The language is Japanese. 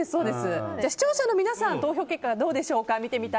視聴者の皆さん、投票結果はどうでしょうか。